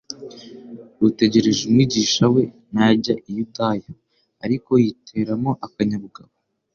rutegereje Umwigisha we najya i Yudaya, ariko yiteramo akanyabugabo,